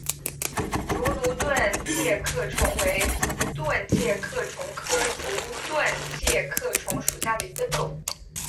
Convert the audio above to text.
芦竹盾介壳虫为盾介壳虫科竹盾介壳虫属下的一个种。